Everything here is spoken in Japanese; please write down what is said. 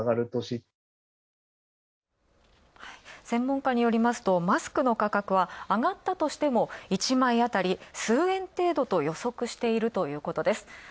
専門家によりますと、マスクの価格は上がったとしても、１枚あたり数円程度と予測しているということです。